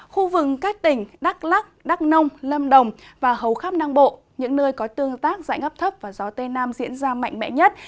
khu vực các tỉnh đắk lắc đắk nông lâm đồng và hầu khắp nam bộ những nơi có tương tác dãnh ấp thấp và gió tây nam diễn ra mạnh mẽ nhất